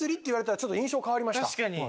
確かに。